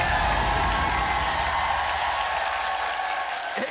えっ？